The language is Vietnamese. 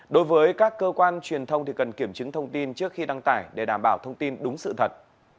đối với các cơ quan truyền thông thì cần kiểm chứng thông tin trước khi đăng tải để đảm bảo thông tin đúng sự thật